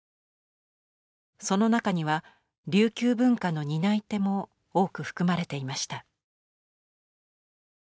その中には琉球文化の担い手も多く含まれていました。